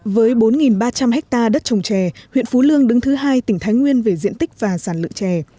với bốn ba trăm linh ha đất trồng chè huyện phú lương đứng thứ hai tỉnh thái nguyên về diện tích và sản lựa chè